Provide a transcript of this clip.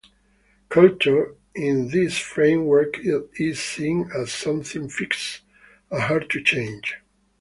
"Culture" in this framework is seen as something fixed and hard to change.